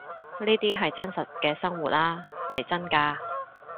呢啲係真實嘅生活呀，嚟真㗎